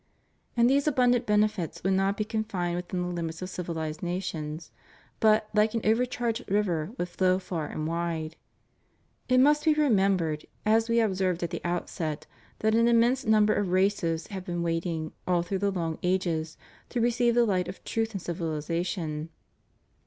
And these abundant benefits would not be confined within the limits of civilized nations, but, Hke an over charged river, would flow far and wide. It must be re membered, as we observed at the outset, that an immense number of races have been waiting, all through the long ages, to receive the Hght of truth and civilization.